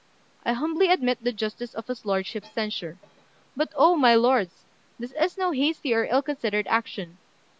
"I humbly admit the justice of his lordship's censure. But oh! my lords, this is no hasty nor ill considered action.